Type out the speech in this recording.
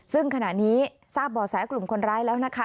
ซึ่งขณะนี้ทราบบ่อแสกลุ่มคนร้ายแล้วนะคะ